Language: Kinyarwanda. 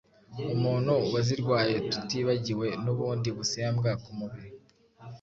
umuntu wazirwaye tutibagiwe n’ubundi busembwa ku mubiri.